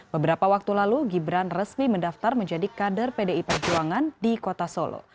beberapa waktu lalu gibran resmi mendaftar menjadi kader pdi perjuangan di kota solo